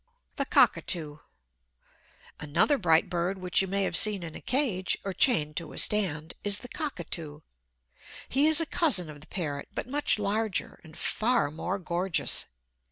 The Cockatoo Another bright bird which you may have seen in a cage, or chained to a stand, is the cockatoo. He is a cousin of the parrot, but much larger, and far more gorgeous.